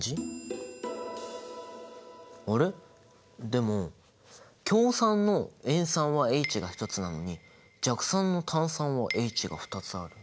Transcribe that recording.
でも強酸の塩酸はＨが１つなのに弱酸の炭酸はＨが２つある。